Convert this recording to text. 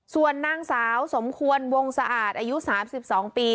ส่วนนางสาวสมควรวงสะอาดอายุ๓๒ปี